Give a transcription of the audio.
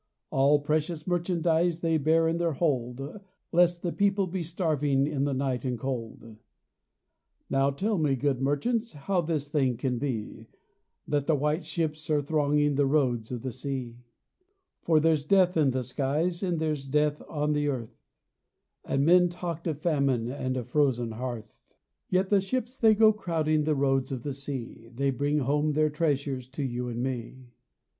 All precious merchandise They bear in their hold : Lest the people be starving In the night and cold. Now tell me, good merchants, How this thing can be That the white ships are thronging The roads of the sea ? For there's death in the skies And there's death on the earth ; And men talked of famine And a frozen hearth. 64 FLOWER OF YOUTH Yet the ships they go crowding The roads of the sea ; They bring home their treasuies To you and to me.